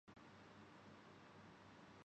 اورمیخانے بھی۔